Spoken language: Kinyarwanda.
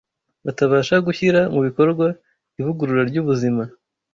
batabasha gushyira mu bikorwa ivugurura ry’ubuzima.